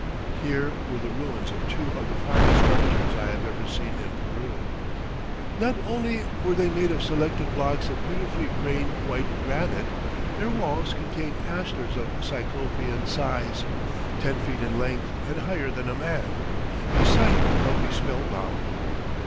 Here were the ruins of two of the finest structures I have ever seen in Peru. Not only were they made of selected blocks of beautifully grained white granite; their walls contained ashlars of Cyclopean size, ten feet in length, and higher than a man. The sight held me spellbound.